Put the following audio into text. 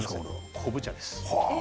昆布茶です。